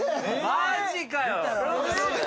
マジかよ。